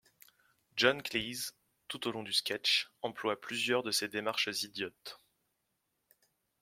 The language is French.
John Cleese, tout au long du sketch, emploie plusieurs de ces démarches idiotes.